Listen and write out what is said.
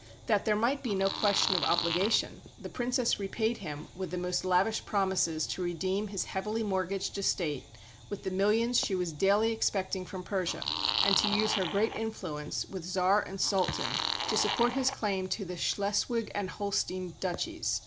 That there might be no question of obligation, the Princess repaid him with the most lavish promises to redeem his heavily mortgaged estate with the millions she was daily expecting from Persia, and to use her great influence with Tsar and Sultan to support his claim to the Schleswig and Holstein duchies.